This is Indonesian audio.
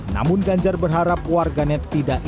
namun ganjar berharap warganet tidak ikut